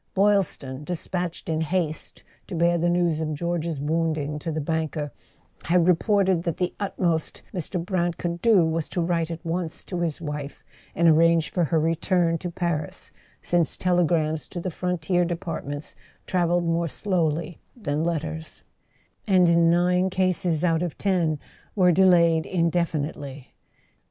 Boylston, despatched in haste to bear the news of George's wounding to the banker, had reported that the utmost Mr. Brant could do was to write at once to his wife, and arrange for her re¬ turn to Paris, since telegrams to the frontier depart¬ ments travelled more slowly than letters, and in nine cases out of ten were delayed indefinitely.